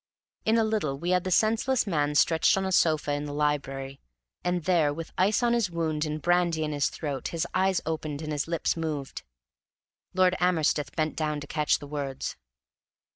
In a little we had the senseless man stretched on a sofa in the library. And there, with ice on his wound and brandy in his throat, his eyes opened and his lips moved. Lord Amersteth bent down to catch the words.